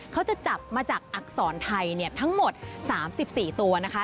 เขาจะจับมาจากอักษรไทยทั้งหมด๓๔ตัวนะคะ